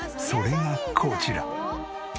それがこちら。